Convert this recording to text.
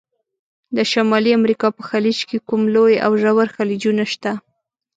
د شمالي امریکا په خلیج کې کوم لوی او ژور خلیجونه شته؟